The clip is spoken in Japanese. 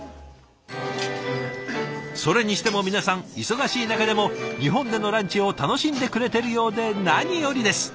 それにしても皆さん忙しい中でも日本でのランチを楽しんでくれてるようで何よりです。